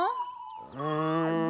うん。